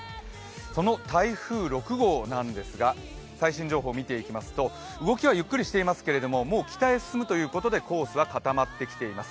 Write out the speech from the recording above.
その台風６号なんですが最新情報を見ていきますと動きはゆっくりしていますけれどももう北に進むということで、コースは固まってきています。